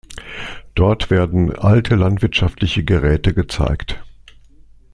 Dort werden alte landwirtschaftliche Geräte gezeigt.